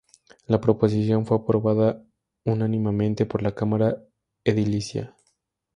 La proposición fue aprobada unánimemente por la cámara edilicia.